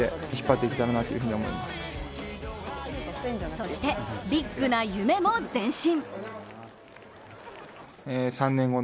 そして、ビッグな夢も前進。